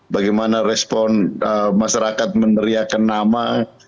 bagaimana respon masyarakat meneriakan nama